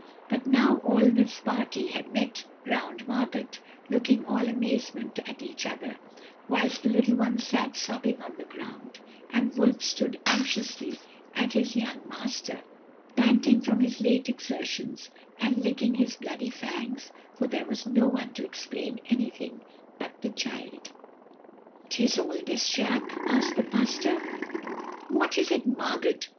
But now all this party had met round Margot, looking all amazement at each other, whilst the little one sat sobbing on the ground, and Wolf stood looking anxiously at his young master, panting from his late exertions, and licking his bloody fangs, for there was no one to explain anything but the child. "'What is all this, Jacques?' asked the pastor. "'What is it, Margot?'